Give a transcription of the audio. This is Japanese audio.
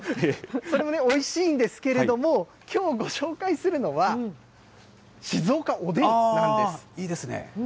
これもおいしいんですけれども、きょう、ご紹介するのは、静岡おでんなんです。